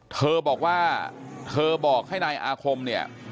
เธอบอกว่าเธอบอกให้นายอาคมเนี่ย